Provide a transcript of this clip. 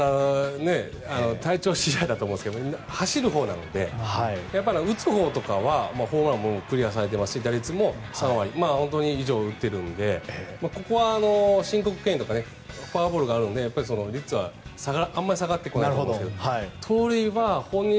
体調次第だと思うんですけど走るほうなので打つほうとかはホームランもクリアされてますし打率も３割それ以上打っているのでここは申告敬遠とかフォアボールとかがあるので率はあまり下がってこないと思いますが。